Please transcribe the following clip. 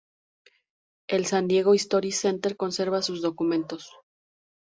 El San Diego History Center conserva sus documentos.